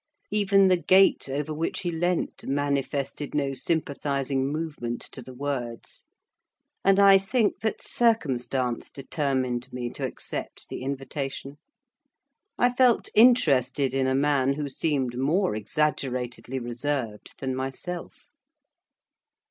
even the gate over which he leant manifested no sympathising movement to the words; and I think that circumstance determined me to accept the invitation: I felt interested in a man who seemed more exaggeratedly reserved than myself.